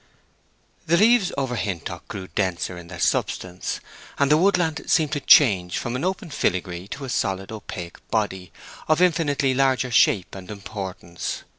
The leaves over Hintock grew denser in their substance, and the woodland seemed to change from an open filigree to a solid opaque body of infinitely larger shape and importance.